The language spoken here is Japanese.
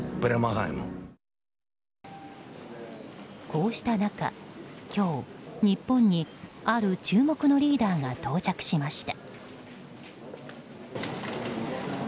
こうした中、今日日本にある注目のリーダーが到着しました。